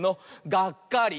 「がっかり」！